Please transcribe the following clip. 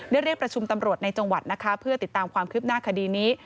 เรียกประชุมตำรวจในจังหวัดนะคะเพื่อติดตามความคืบหน้าคดีนี้